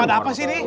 ada apa sih ini